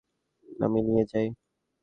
আমি নিয়ে যাই।